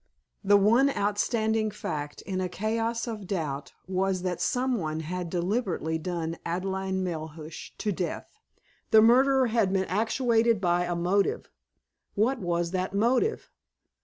The one outstanding fact in a chaos of doubt was that someone had deliberately done Adelaide Melhuish to death. The murderer had been actuated by a motive. What was that motive?